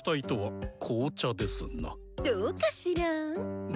どうかしら？